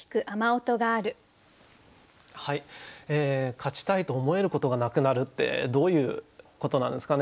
勝ちたいと思えることがなくなるってどういうことなんですかね。